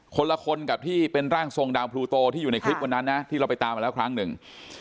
คนละคนกับที่เป็นร่างทรงดาวพลูโตที่อยู่ในคลิปวันนั้นนะที่เราไปตามมาแล้วครั้งหนึ่ง